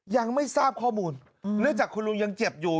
ยังไม่ทราบข้อมูลเนื่องจากคุณลุงยังเจ็บอยู่